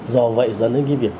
do vậy dẫn đến cái việc